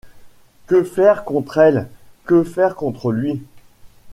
Que faire contre elle? que faire contre lui ?